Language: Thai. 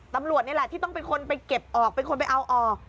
ตำรวจนี่แหละที่ต้องเป็นคนไปเก็บออกเป็นคนไปเอาออก